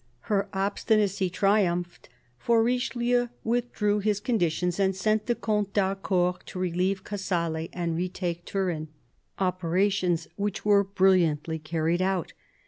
Her obstinacy triumphed, for Richelieu withdrew his con ditions and sent the Comte d'Harcourt to relieve Casale and retake Turin; operations which were brilhantly carried out.